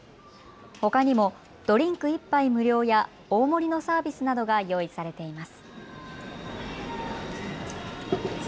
ほかにもドリンク１杯無料や大盛りのサービスなどが用意されています。